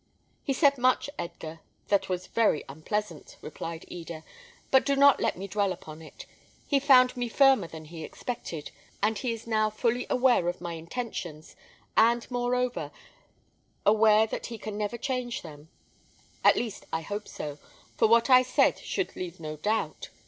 "He said much, Edgar, that was very unpleasant," replied Eda; "but do not let me dwell upon it. He found me firmer than he expected, and he is now fully aware of my intentions, and moreover, aware that he can never change them: at least I hope so, for what I said should leave no doubt.